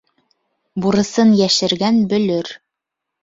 Бурысын йәшергән бөлөр.